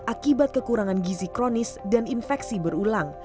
akibat kekurangan gizi kronis dan infeksi berulang